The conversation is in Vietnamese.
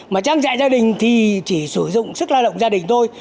mà trang trại gia đình thì chỉ sử dụng sức lao động gia đình thôi